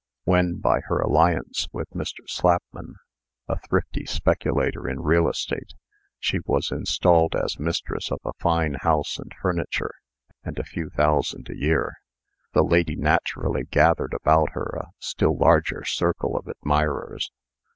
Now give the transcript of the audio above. When, by her alliance with Mr. Slapman, a thrifty speculator in real estate, she was installed as mistress of a fine house and furniture, and a few thousand a year, the lady naturally gathered about her a still larger circle of admirers.